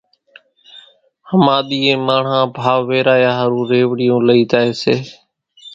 ۿماۮِيئين ماڻۿان ڀائو ويرايا ۿارُو ريوڙيون لئي زائي سي۔